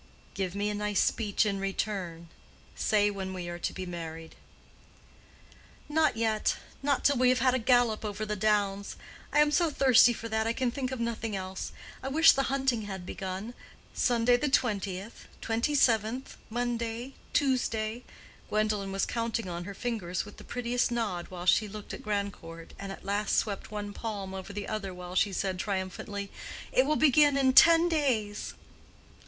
"Give me a nice speech in return. Say when we are to be married." "Not yet. Not till we have had a gallop over the downs. I am so thirsty for that, I can think of nothing else. I wish the hunting had begun. Sunday the twentieth, twenty seventh, Monday, Tuesday." Gwendolen was counting on her fingers with the prettiest nod while she looked at Grandcourt, and at last swept one palm over the other while she said triumphantly, "It will begin in ten days!"